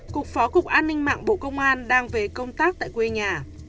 cục phó cục an ninh mạng bộ công an đang về công tác tại quê nhà